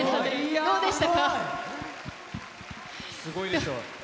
すごいでしょう。